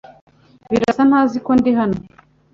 Birasa ntazi ko ndi hano .